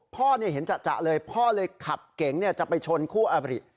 พ่อเห็นจะเลยพ่อเลยขับเก๋งจะไปชนคู่อบริ